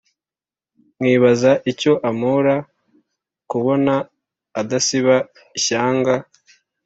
nkibaza icyo ampora, kubona adasiba ishyanga